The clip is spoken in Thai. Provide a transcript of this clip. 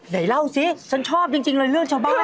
เดี๋ยวเล่าสิฉันชอบจริงเรื่องชาวบ้านนี้